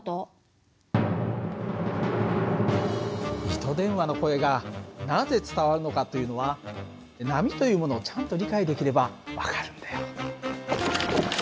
糸電話の声がなぜ伝わるのかというのは波というものをちゃんと理解できれば分かるんだよ。